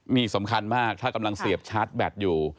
นี่สำคัญมากถ้ากำลังเสียบชาร์จแบตอยู่